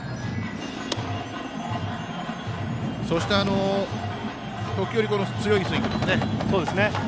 そして、ときおり強いスイングですね。